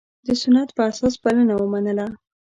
د سنت په اساس بلنه ومنله.